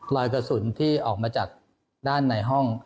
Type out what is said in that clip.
รอยกระสุนที่ออกมาจากด้านในห้อง